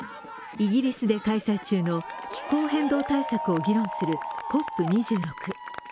イギリスで開催中の気候変動対策を議論するＣＯＰ２６。